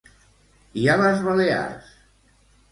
I a les Balears?